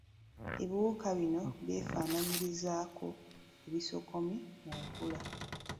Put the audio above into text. Ebiwuka bino byefaananyirizaako ebisokomi mu nkula.